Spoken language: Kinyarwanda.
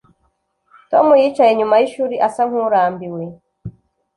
Tom yicaye inyuma yishuri asa nkurambiwe